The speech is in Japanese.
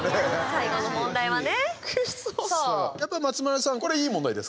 最後の問題はね。